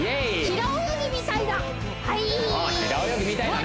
平泳ぎみたいだはいそう